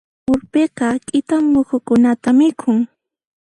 Urpiqa k'ita muhukunata mikhun.